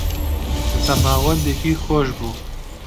زەماوندێکی خۆش بوو